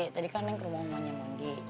tadi kan neng ke rumah umpanya mandi